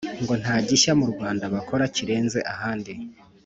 ngo nta gishya mu rwanda bakora kirenze ahandi.